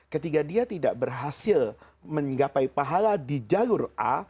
ketika dia tidak berhasil menggapai pahala di jalur a